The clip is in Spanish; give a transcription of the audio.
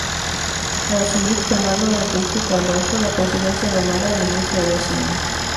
Al asumir Fernando Henrique Cardoso la presidencia lo nombra Ministro de Hacienda.